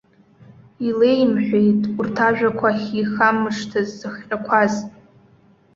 Илеимҳәеит урҭ ажәақәа ахьихамышҭыз зыхҟьақәаз.